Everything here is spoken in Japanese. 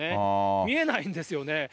見えないんですよね。